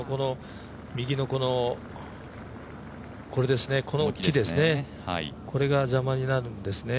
右の木が邪魔になるんですね。